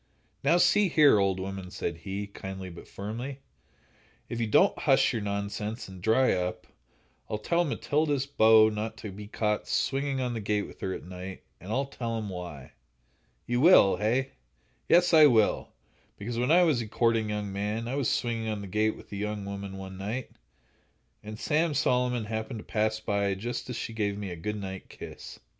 "Now, see here, old woman," said he, kindly, but firmly; "if you don't hush your nonsense and dry up, I'll tell Matilda's beaux not to be caught swinging on the gate with her at night, and I'll tell 'em why." "You will, hey?" "Yes, I will; because when I was a courting young man, I was swinging on the gate with a young woman, one night, and Sam Solomon happened to pass by just as she gave me a good night kiss."